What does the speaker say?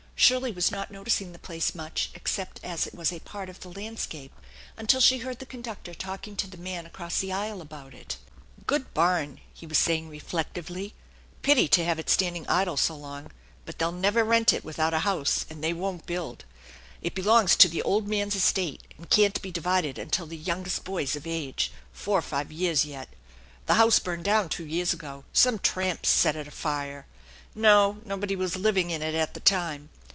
Shirley was not noticing the place much except as it was a part of the land scape until she heard the conductor talking to the man across the aisle about it. " Good barn !" he was saying reflectively. " Pity to hav 14 THE ENCHANTED BARN it standing idle so long; but they'll never rent it without a house, and they won't build. It belongs to the old man's estate, and can't be divided until the youngest boy's of age, four 'r five years yet. The house burned down two years ago. Some tramps set it afire. No, nobody was living in it at tho time.